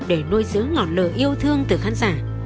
để nuôi giữ ngọt lời yêu thương từ khán giả